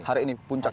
hari ini puncaknya